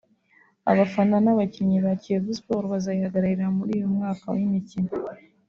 abafana n’abakinnyi ba Kiyovu Sports bazayihagararira muri uyu mwaka w’imikino